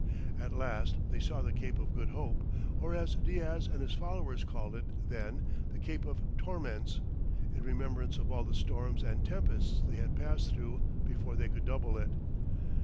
At last they saw the Cape of Good Hope, or as Diaz and his followers called it then, the "Cape of Torments," in remembrance of all the storms and tempests they had passed through before they could double it.